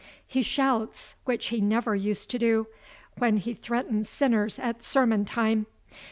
He shouts (which he never used to do) when he threatens sinners at sermon time.